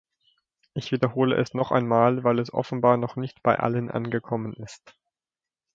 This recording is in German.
Ich wiederhole es noch einmal, weil es offenbar noch nicht bei allen angekommen ist.